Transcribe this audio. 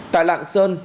tại lạng sơn